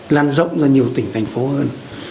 lan rộng ra nhiều tỉnh thành phố hơn